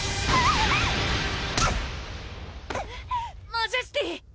マジェスティ！